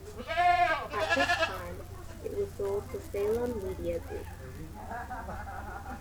At this time, it was sold to Salem Media Group.